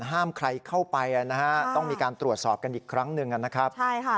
ห้ามใครเข้าไปนะฮะต้องมีการตรวจสอบกันอีกครั้งหนึ่งนะครับใช่ค่ะ